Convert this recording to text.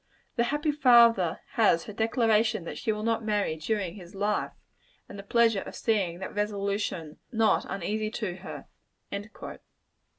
The happy father has her declaration that she will not marry during his life, and the pleasure of seeing that resolution not uneasy to her."